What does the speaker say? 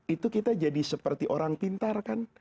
itu kita jadi seperti orang pintar kan